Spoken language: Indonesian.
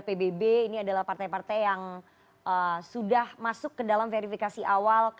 tim liputan cnn indonesia